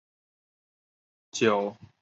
酒楼名称以著名小说角色楚留香命名。